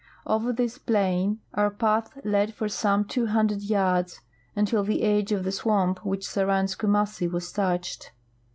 Over this })lain our path led for some two hundred yards, until the edge of the swamp which surrounds Kumassi was touched.